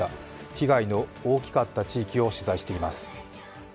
被害の大きかった地域を取材しています。